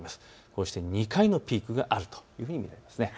こうして２回のピークがあるというふうに見られます。